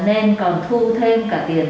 nên còn thu thêm cả tiền